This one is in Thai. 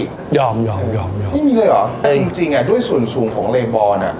ยอมยอมยอมยอมไม่มีเลยเหรอแต่จริงจริงอ่ะด้วยส่วนสูงของเลบอลอ่ะ